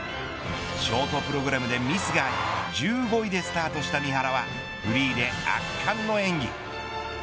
ショートプログラムでミスがあり１５位でスタートした三原はフリーで圧巻の演技。